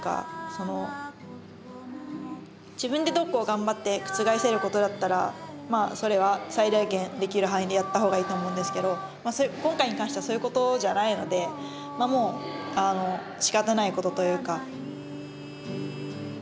その自分でどうこうがんばって覆せることだったらそれは最大限できる範囲でやった方がいいと思うんですけど今回に関してはそういうことじゃないのでまあもうしかたないことというか。